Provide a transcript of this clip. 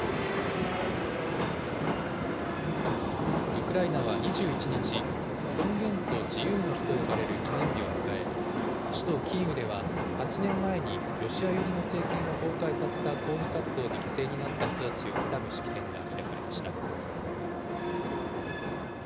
ウクライナは２１日、尊厳と自由の日と呼ばれる記念日を迎え、首都キーウでは、８年前にロシア寄りの政権を崩壊させた抗議活動で犠牲になった人たちを悼む式典が開かれました。